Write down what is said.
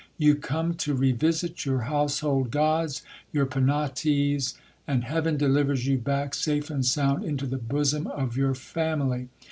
You come to revisit your household gods, your Penates, and heaven delivers you back safe and sound into the bosom of your family.